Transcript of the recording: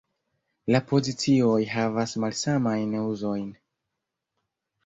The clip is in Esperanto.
La pozicioj havas malsamajn uzojn.